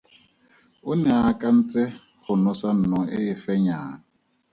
O ne a akantse go nosa nno e e fenyang.